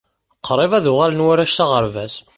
Qrib ad uɣalen warrac s aɣerbaz.